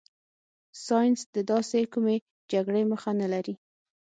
ساینس د داسې کومې جګړې مخه نه لري.